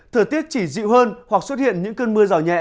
thời tiết chỉ dịu hơn hoặc xuất hiện những cơn mưa rào nhẹ